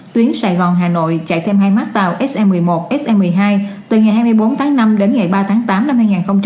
tuyến sài gòn hà nội chạy thêm hai mác tàu se một mươi một se một mươi hai từ ngày hai mươi bốn tháng năm đến ngày ba tháng tám năm hai nghìn hai mươi